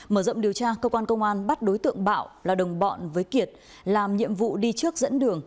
mở rộng điều tra cơ quan công an bắt đối tượng bảo là đồng bọn với kiệt làm nhiệm vụ đi trước dẫn đường